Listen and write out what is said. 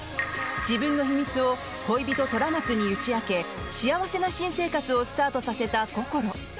自分の秘密を恋人・虎松に打ち明け幸せな新生活をスタートさせたこころ。